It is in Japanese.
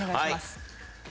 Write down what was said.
はい。